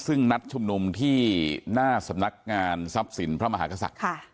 ซึ่งนัดชุมนุมที่หน้าสำนักงานทรัพย์สินพระมหากษัตริย์